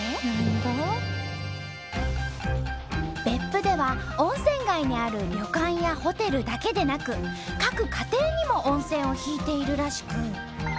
別府では温泉街にある旅館やホテルだけでなく各家庭にも温泉を引いているらしく。